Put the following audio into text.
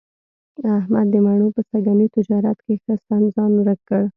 احمد د مڼو په سږني تجارت کې ښه سم ځان ورک کړ.